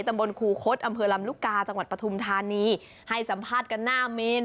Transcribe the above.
ตำบลครูคดอำเภอลำลูกกาจังหวัดปฐุมธานีให้สัมภาษณ์กันหน้าเมน